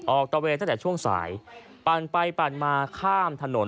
ตะเวนตั้งแต่ช่วงสายปั่นไปปั่นมาข้ามถนน